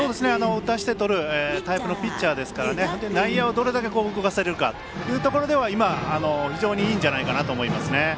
打たして取るタイプのピッチャーですから内野をどれだけ動かせるかというところでは非常にいいんじゃないかなと思います。